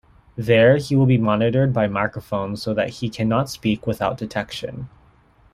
There, he will be monitored by microphones so that he cannot speak without detection.